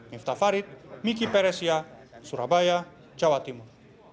miftah farid miki peresia surabaya jawa timur